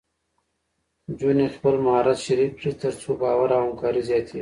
نجونې خپل مهارت شریک کړي، تر څو باور او همکاري زیاتېږي.